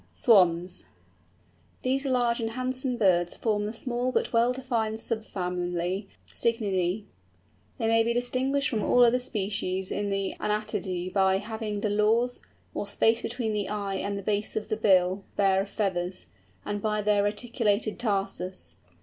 SWANS. These large and handsome birds form the small but well defined sub family Cygninæ. They may be distinguished from all other species in the Anatidæ, by having the lores, or space between the eye and the base of the bill, bare of feathers, and by their reticulated tarsus.